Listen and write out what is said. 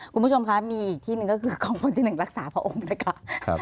คุณผู้ชมครับมีอีกที่นึงก็คือของคนที่หนึ่งรักษาพระองค์เลยครับ